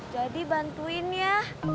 jadi bantuin ya